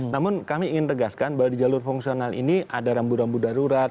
namun kami ingin tegaskan bahwa di jalur fungsional ini ada rambu rambu darurat